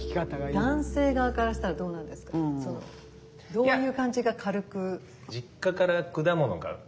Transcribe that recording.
どういう感じが軽く。